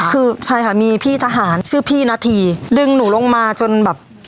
คือใช่ค่ะมีพี่ทหารชื่อพี่นาธีดึงหนูลงมาจนแบบ